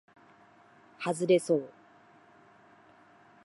はずれそう